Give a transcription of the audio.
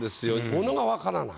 物が分からない。